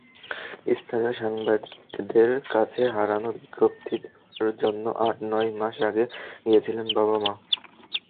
স্থানীয় সাংবাদিকদের কাছে হারানো বিজ্ঞপ্তি দেওয়ার জন্য আট-নয় মাস আগে গিয়েছিলেন বাবা-মা।